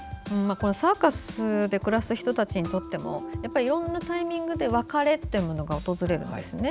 サーカスで暮らす人たちにとってもいろんなタイミングで別れというものが訪れるんですね。